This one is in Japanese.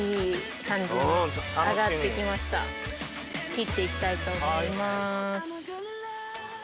切っていきたいと思います。